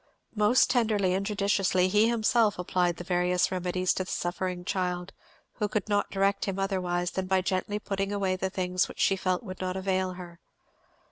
Most tenderly and judiciously he himself applied various remedies to the suffering child, who could not direct him otherwise than by gently putting away the things which she felt would not avail her.